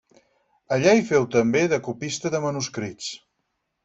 Allà hi féu també de copista de manuscrits.